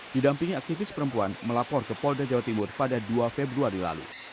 didampingi aktivis perempuan melapor ke polda jawa timur pada dua februari lalu